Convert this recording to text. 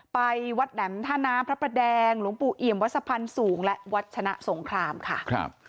ไปวัดแหน่มท่าน้าพระแดงหลวงปู่อิ่มวัดสะพันธ์สูงและวัดชนะสงครามค่ะ